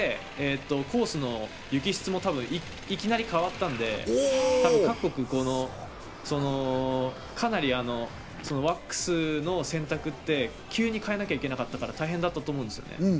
コースの雪質もいきなり変わったんで、各国かなり、ワックスの選択って急に変えなきゃいけなかったから大変だったと思うんです。